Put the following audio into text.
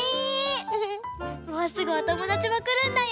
もうすぐおともだちもくるんだよ。